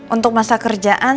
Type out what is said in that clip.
untuk masa kerjaan